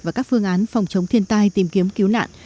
và các phương án phòng chống thiên tai tìm kiếm cứu nạn